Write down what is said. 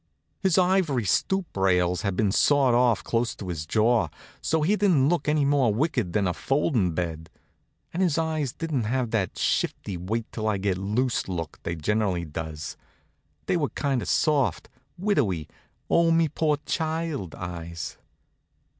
His iv'ry stoop rails had been sawed off close to his jaw, so he didn't look any more wicked than a foldin' bed. And his eyes didn't have that shifty wait till I get loose look they generally does. They were kind of soft, widowy, oh me poor child eyes.